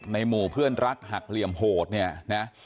หมู่เพื่อนรักหักเหลี่ยมโหดเนี่ยนะ